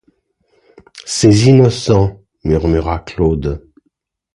Ces innocents ! murmura Claude.